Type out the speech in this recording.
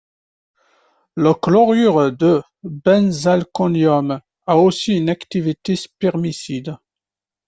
Le chlorure de benzalkonium a aussi une activité spermicide.